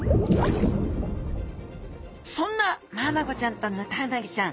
そんなマアナゴちゃんとヌタウナギちゃん